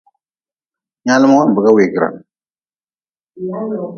Nyaalm wambga weegran.